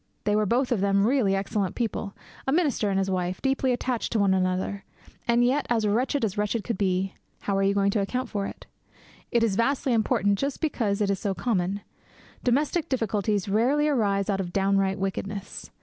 They were both of them really excellent people; a minister and his wife; deeply attached to one another; and yet as wretched as wretched could be. How are you going to account for it? It is vastly important just because it is so common. Domestic difficulties rarely arise out of downright wickedness.